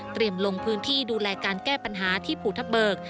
ลงพื้นที่ดูแลการแก้ปัญหาที่ภูทับเบิก